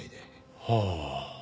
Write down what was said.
はあ。